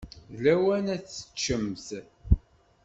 D lawan ad teččemt.